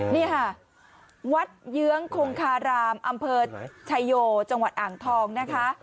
นี่ค่ะวัดเยื้องคงคารามอำเภอชายโยจังหวัดอ่างทองนะคะ